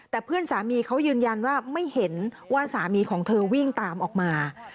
แต่เพื่อนสามีเขายืนยันว่าไม่เห็นว่าสามีของเธอวิ่งตามออกมา